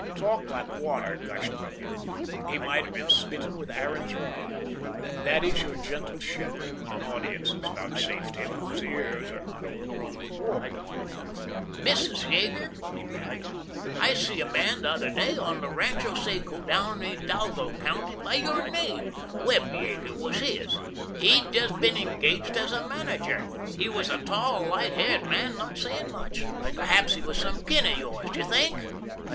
Talk like water gushed from him: he might have been smitten with Aaron's rod—that is your gentle shepherd when an audience is vouchsafed him whose ears are not overgrown with wool. "Missis Yeager," he babbled, "I see a man the other day on the Rancho Seco down in Hidalgo County by your name—Webb Yeager was his. He'd just been engaged as manager. He was a tall, light haired man, not saying much. Perhaps he was some kin of yours, do you think?"